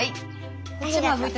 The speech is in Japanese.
はい。